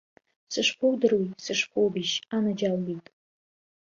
Сышԥоудыруеи, сышԥоубеишь, анаџьалбеит?